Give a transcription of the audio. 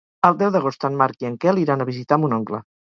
El deu d'agost en Marc i en Quel iran a visitar mon oncle.